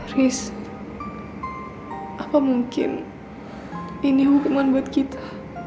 ris apa mungkin ini hukuman buat kita